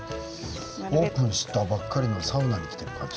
オープンしたばかりのサウナに来ている感じ。